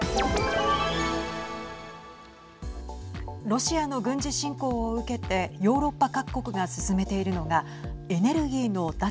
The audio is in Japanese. ロシアの軍事侵攻を受けてヨーロッパ各国が進めているのがエネルギーの脱